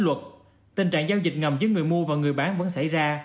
luật tình trạng giao dịch ngầm giữa người mua và người bán vẫn xảy ra